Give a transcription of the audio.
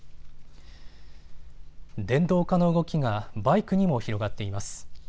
電動化の動きがバイクにも広がっています。